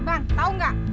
bang tau gak